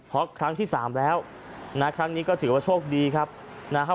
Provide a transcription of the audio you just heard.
แล้วครั้งที่๓แล้วนะครั้งนี้ก็ถือว่าโชคดีนะครับ